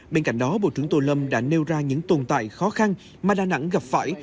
bên cạnh đó bộ trưởng tô lâm đã nêu ra những tồn tại khó khăn mà đà nẵng gặp phải